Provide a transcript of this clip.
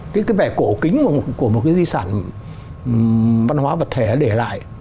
cái vẻ cổ kính của một cái di sản văn hóa vật thể để lại